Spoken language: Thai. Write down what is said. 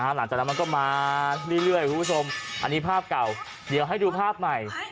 หลังจากนั้นมันก็มาเรื่อยคุณผู้ชมอันนี้ภาพเก่าเดี๋ยวให้ดูภาพใหม่